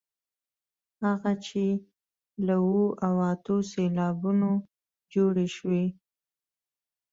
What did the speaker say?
هغه چې له اوو او اتو سېلابونو جوړې شوې.